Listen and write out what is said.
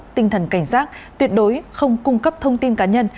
tinh thần cảnh giác tuyệt đối không cung cấp thông tin cá nhân